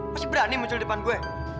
masih berani muncul di depan gue